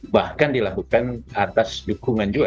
bahkan dilakukan atas dukungan juga